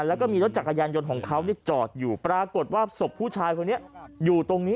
แล้วก็มีรถจักรยานยนต์ของเขาจอดอยู่ปรากฏว่าศพผู้ชายคนนี้อยู่ตรงนี้